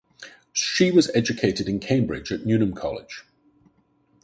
She was educated in Cambridge at Newnham College.